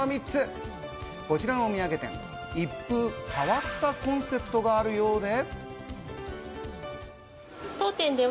こちらの土産店、一風変わったコンセプトがあるようで。